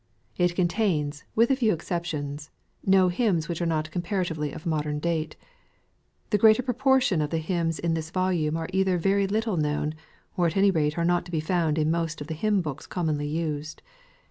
It contains, with a few exceptions, no hymns which are not comparatively of modern date. The greater proportion of the hymns in this volume are either very little known, or at any rate are not to be found in most of the hymn books commonly used.